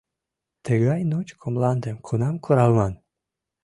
— Тыгай ночко мландым кунам куралман?